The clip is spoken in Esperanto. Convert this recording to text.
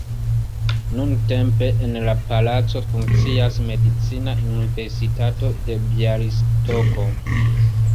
Nuntempe en la palaco funkcias Medicina Universitato en Bjalistoko.